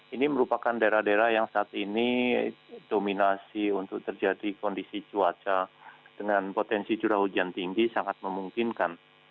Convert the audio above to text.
ini merupakan daerah daerah yang saat ini dominasi untuk terjadi kondisi cuaca dengan potensi curah hujan tinggi sangat memungkinkan